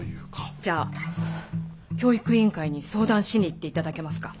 じゃあ教育委員会に相談しに行っていただけますか？